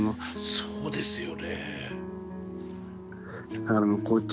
そうですよね。